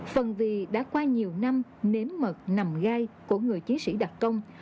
phần vì đã qua nhiều năm nếm mật nằm gai của người chiến sĩ đặc công